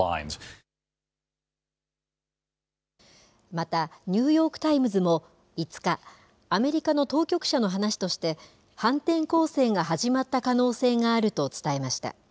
また、ニューヨーク・タイムズも５日、アメリカの当局者の話として、反転攻勢が始まった可能性があると伝えました。